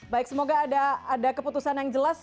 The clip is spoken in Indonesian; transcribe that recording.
baik semoga ada keputusan yang jelas